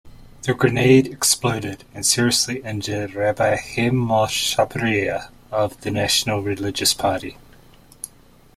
The grenade exploded and seriously injured Rabbi Haim-Moshe Shapira of the National Religious Party.